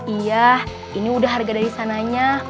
iya ini udah harga dari sananya